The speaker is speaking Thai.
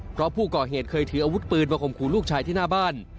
เพราะผู้ก่อเหตุเคยถืออาวุธปืนมาข่มขู่ลูกชายที่หน้าบ้าน